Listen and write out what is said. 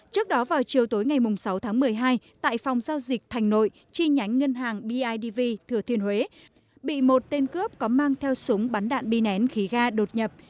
trước đó vào chiều tối ngày sáu tháng một mươi hai tại phòng giao dịch thành nội chi nhánh ngân hàng bidv thừa thiên huế bị một tên cướp có mang theo súng bắn đạn bi nén khí ga đột nhập